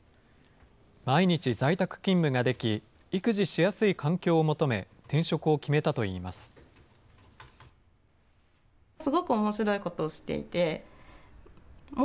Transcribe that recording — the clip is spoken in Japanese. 毎日在宅勤務ができ、育児しやすい環境を求め、転職を決めたといいます。